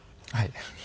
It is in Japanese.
はい。